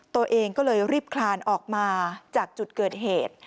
ตัวเองก็เลยรีบคลานออกมาจากจุดเกิดเหตุ